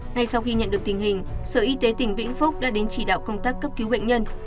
ngay sau khi nhận được tình hình sở y tế tỉnh vĩnh phúc đã đến chỉ đạo công tác cấp cứu bệnh nhân